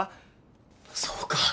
そうか。